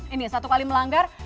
ini satu kali melanggar